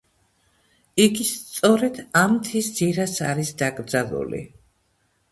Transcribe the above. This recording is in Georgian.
იგი სწორედ ამ მთის ძირას არის დაკრძალული.